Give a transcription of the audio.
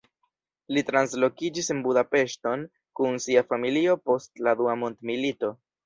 Li translokiĝis en Budapeŝton kun sia familio post la dua mondmilito.